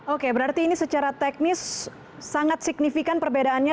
oke berarti ini secara teknis sangat signifikan perbedaannya